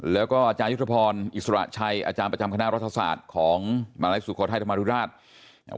แล้วก็อยุฒิพรอิสระชัยอประจำคณะรัฐศาสตร์ของมหลักศูนย์ครอวไทยธรรมดุราช